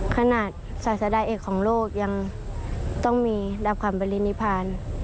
ขนาดศาสดาเอกของโลกยังต้องมีดรับคำบรินิพาน